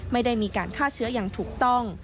ไม่ได้มีการฆ่าเชื้ออย่างถูกต้อง